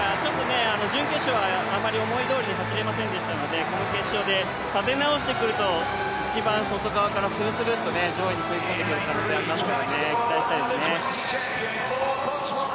準決勝はあまり思いどおりに走れなかったのでこの決勝で立て直してくると、一番外側からするするっと上位に食い込んでくる可能性がありますから期待したいですね。